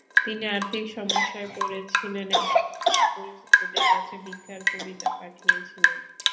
তিনি আর্থিক সমস্যায় পড়েছিলেন এবং বিভিন্ন পরিচিতদের কাছে ভিক্ষার কবিতা পাঠিয়েছিলেন।